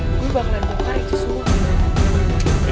gue bakalan bongkar itu semua